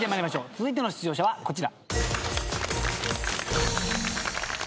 続いての出場者はこちら。